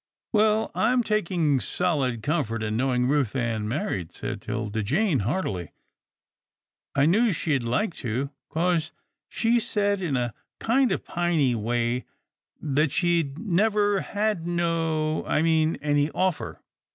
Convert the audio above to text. Well, I'm taking solid comfort in knowing Ruth Ann married," said 'Tilda Jane heartily. " I knew she'd like to, 'cause she said in a kind of THE ARRIVAL OF MILKWEED 39 piny way that she'd never had no — I mean any — offer."